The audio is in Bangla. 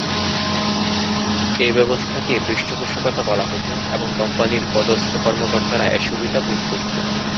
এ ব্যবস্থাকে ‘পৃষ্ঠপোষকতা’ বলা হতো এবং কোম্পানির পদস্থ কর্মকর্তারা এ সুবিধা ভোগ করত।